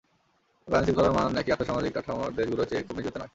তবে আইনশৃঙ্খলার মান একই আর্থসামাজিক কাঠামোর দেশগুলোর চেয়ে খুব নিচুতে নয়।